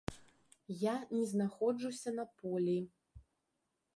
Я не знаходжуся на полі.